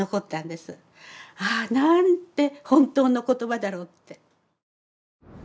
ああなんて本当の言葉だろうって。